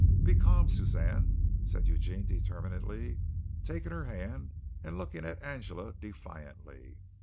"Be calm, Suzanne," said Eugene determinedly, taking her hand and looking at Angela defiantly.